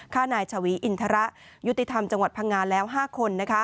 ฆ่านายชวีอินทระยุติธรรมจังหวัดพังงาแล้ว๕คน